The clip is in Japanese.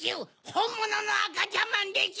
ほんもののあかちゃんまんでちゅ！